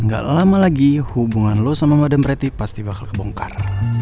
gak lama lagi hubungan lo sama badan reti pasti bakal kebongkar